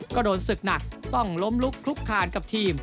ก็โดนศึกหนักต้องล้มลุกคลุกคานกับทีม